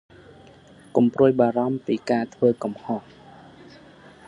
កុំព្រួយបារម្ភពីការធ្វេីកំហុស។